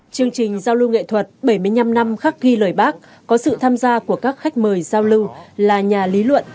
chương trình giao lưu nghệ thuật bảy mươi năm năm khắc ghi lời bác có sự tham gia của các khách mời giao lưu là nhà lý luận